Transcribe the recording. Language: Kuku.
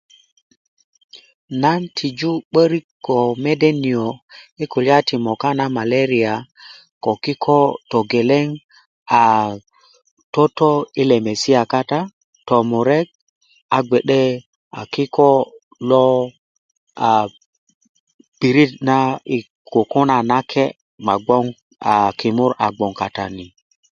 nan tiju 'borik ko mede nio i kulya ti moka na maleria ko kiko togeleŋ a toto i lemesia kata tomurek a gbe'de a kiko lo pirit na i kukuna a nake ma gboŋ kimur a gboŋ kata